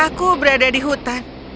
aku berada di hutan